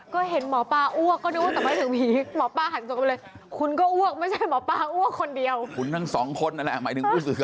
ก็เห็นหมอป้าอ้วกก็นึกว่าจะมาถึงผี